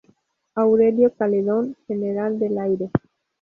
Aurelio Celedón, general del Aire.